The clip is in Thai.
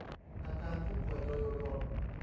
อาการผู้ป่วยโดยรวม